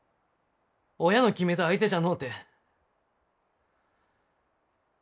親の決めた相手じゃのうて。